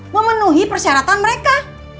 memenuhi persyaratan mereka